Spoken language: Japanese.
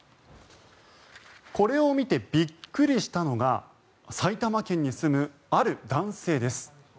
これを見てびっくりしたのが埼玉県に住むある男性です。